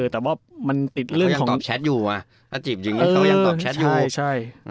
แต่ว่ามันติดเรื่องของถ้าจีบอย่างนี้เขายังตอบแชทอยู่